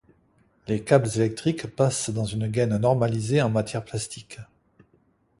Les câbles électriques passent dans une gaine normalisée en matière plastique.